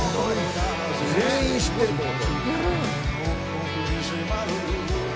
「全員知ってるこれ」